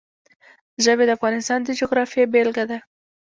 ژبې د افغانستان د جغرافیې بېلګه ده.